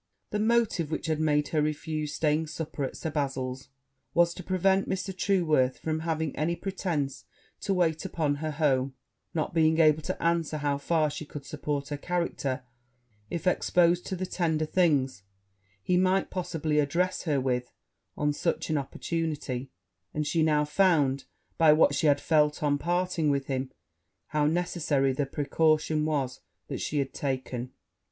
The motive which had made her refuse staying supper at Sir Bazil's, was to prevent Mr. Trueworth from having any pretence to wait upon her home, not being able to answer how far she could support her character, if exposed to the tender things he might possibly address her with on such an opportunity; and she now found, by what she had felt on parting with him, how necessary the precaution was that she had taken.